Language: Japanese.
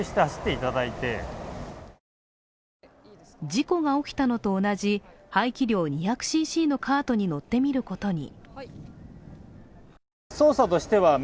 事故が起きたのと同じ排気量２００ｃｃのカートに乗ってみることに。